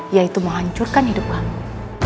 yaitu menghancurkan hidup kamu